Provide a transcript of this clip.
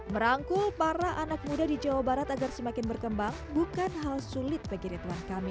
merangkul para anak muda di jawa barat agar semakin berkembang bukan hal sulit bagi ridwan kamil